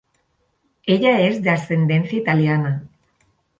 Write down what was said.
Ella es de ascendencia italiana.